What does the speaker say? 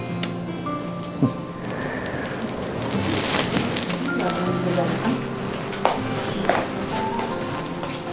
nanti kita dateng